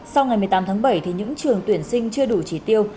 sau ngày một mươi tám tháng bảy thì những trường tuyển sinh chưa đủ trí tiêu